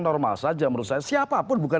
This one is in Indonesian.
normal saja menurut saya siapapun bukan